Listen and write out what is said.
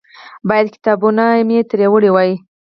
باید کتابونه مې ترې وړي وای.